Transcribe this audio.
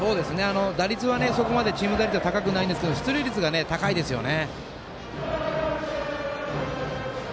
打率はそこまでチーム打率はよくないんですけど出塁率が高いですよね。